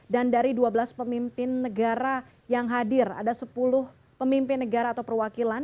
dan dari dua belas pemimpin negara yang hadir ada sepuluh pemimpin negara atau perwakilan